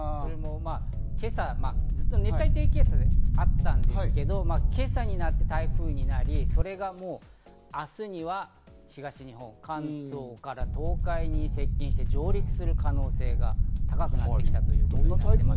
ずっと熱帯低気圧だったんですけど、今朝になって台風になり、それがもう明日には東日本、関東から東海に接近して上陸する可能性が高くなってきた。